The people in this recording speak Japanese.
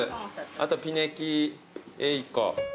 あとピネキ１個。